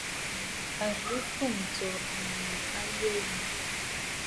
A zwì fûm tso annù a yəgə yi.